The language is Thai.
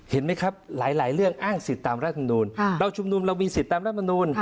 เห็นไหมครับหลายเรื่องอ้างสิทธิ์ตามรัฐมนูลเราชุมนุมเรามีสิทธิ์ตามรัฐมนูล